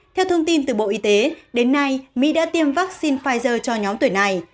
theo thông tin từ bộ y tế đến nay mỹ đã tiêm vaccine pfizer cho nhóm tuổi này